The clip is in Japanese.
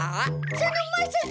そのまさか！